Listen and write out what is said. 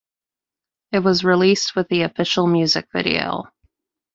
It was released with the official music video.